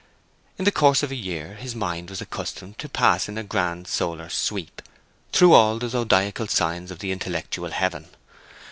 In the course of a year his mind was accustomed to pass in a grand solar sweep through all the zodiacal signs of the intellectual heaven.